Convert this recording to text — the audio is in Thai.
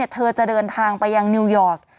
เธอจะเดินทางไปยังนิวยอร์ก